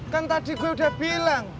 kan tadi gue udah bilang